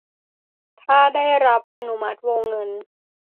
ถ้าได้รับอนุมัติวงเงิน